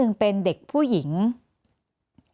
แอนตาซินเยลโรคกระเพาะอาหารท้องอืดจุกเสียดแสบร้อน